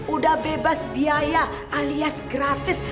udah bebas biaya alias gratis